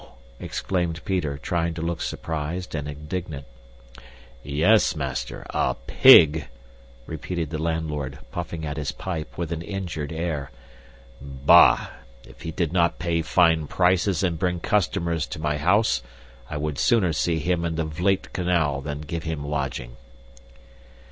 exclaimed Peter, trying to look surprised and indignant. "Yes, master A PIG," repeated the landlord, puffing at his pipe with an injured air. "Bah! If he did not pay fine prices and bring customers to my house, I would sooner see him in the Vleit Canal than give him lodging."